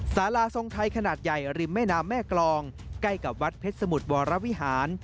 สาราทรงไทยขนาดใหญ่ริมแม่น้ำแม่กรองใกล้กับวัดเพชรสมุทรวรวิหาร